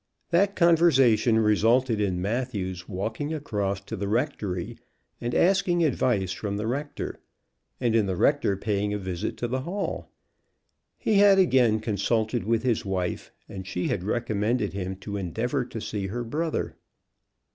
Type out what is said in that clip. That conversation resulted in Matthew's walking across to the rectory, and asking advice from the rector; and in the rector paying a visit to the Hall. He had again consulted with his wife, and she had recommended him to endeavor to see her brother.